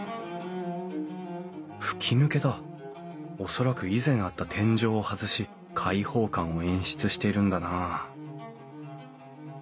恐らく以前あった天井を外し開放感を演出しているんだな